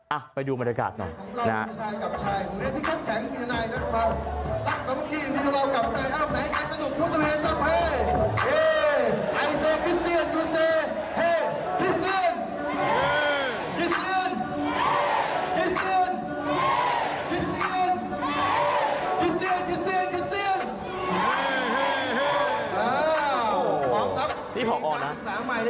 ไปดูบรรยากาศหน่อย